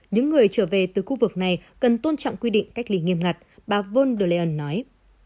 những người trở về từ khu vực này cần tôn trọng quy định cách ly nghiêm ngặt bà von der leyen nói